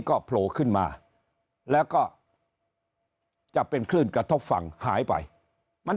ก็โผล่ขึ้นมาแล้วก็จะเป็นคลื่นกระทบฝั่งหายไปมัน